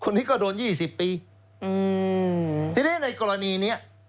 คนนี้ก็โดนยี่สิบปีอืมทีนี้ในกรณีเนี้ย